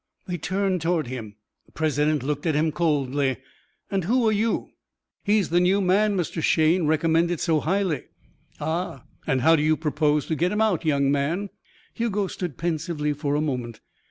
They turned toward him. The president looked at him coldly. "And who are you?" Mrs. Robinson answered. "He's the new man Mr. Shayne recommended so highly." "Ah. And how do you propose to get him out, young man?" Hugo stood pensively for a moment.